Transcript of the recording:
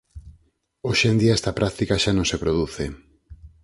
Hoxe en día esta práctica xa non se produce.